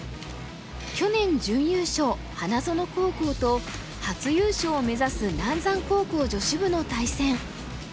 去年準優勝花園高校と初優勝を目指す南山高校女子部の対戦。